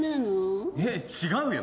えっ違うよ